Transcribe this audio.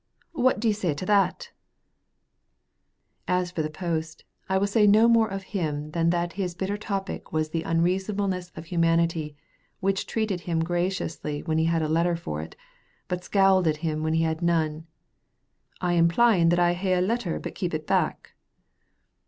What do you say to that?" [Footnote 3: Feikie, over particular.] As for the post, I will say no more of him than that his bitter topic was the unreasonableness of humanity, which treated him graciously when he had a letter for it, but scowled at him when he had none, "aye implying that I ha'e a letter, but keep it back."